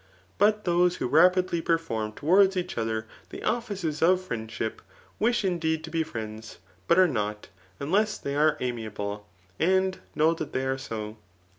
But those vrbo fapidly perform towards each other the offices of friends dbip, widi indeed to be friends, but are not, iinkss they are amiable, and know that they are so.